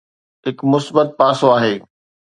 هڪ مثبت پاسو آهي.